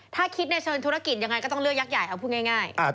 ถ้าคิดในเชิงธุรกิจยังไงก็ต้องเลือกยักษ์ใหญ่เอาพูดง่าย